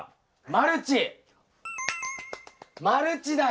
マルチだよ。